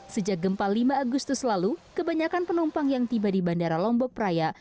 sejak gempa lima agustus lalu kebanyakan penumpang yang tiba di bandara lombok praia